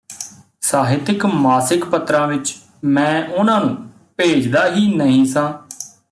ਸਾਹਿਤਕ ਮਾਸਿਕਪੱਤਰਾਂ ਵਿੱਚ ਮੈਂ ਉਹਨਾਂ ਨੂੰ ਭੇਜਦਾ ਹੀ ਨਹੀਂ ਸਾਂ